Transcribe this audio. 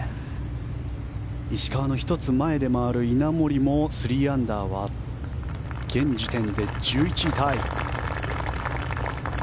石川の１つ前で回る稲森も３アンダーは現時点で１１位タイ。